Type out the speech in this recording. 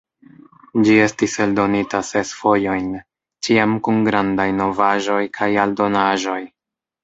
Ĝi estis eldonita ses fojojn, ĉiam kun grandaj novaĵoj kaj aldonaĵoj.